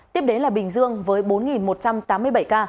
tiếp đến là bình dương với bốn một trăm tám mươi bảy ca